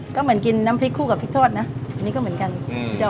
ก็เหมือนกินน้ำพริกคู่กับพริกทอดนะอันนี้ก็เหมือนกัน